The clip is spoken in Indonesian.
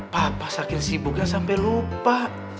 papa sakit sibuk gak sampe lupa